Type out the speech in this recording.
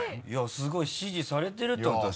すごい支持されてるってことよ